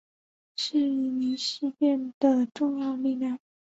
是伊宁事变的重要力量。